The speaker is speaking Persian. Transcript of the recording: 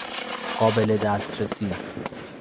قابل دسترسی